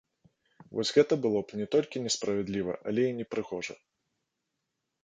Вось гэта было б не толькі несправядліва, але і непрыгожа.